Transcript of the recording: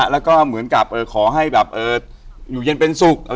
แล้วก็เหมือนกับขอให้แบบอยู่เย็นเป็นสุข